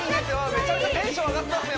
めちゃめちゃテンション上がってますね